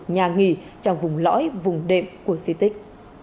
nhà nghỉ trong vùng lõi vùng đệm của di tích